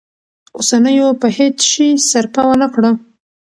اوسنيو په هیڅ شي سرپه ونه کړه.